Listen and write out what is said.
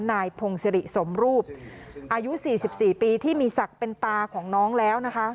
นายพงศิริสมรูปอายุ๔๔ปีที่มีศักดิ์เป็นตาของน้องแล้วนะคะ